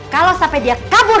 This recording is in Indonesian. kalau sampai dia kabur